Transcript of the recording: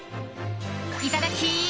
いただき！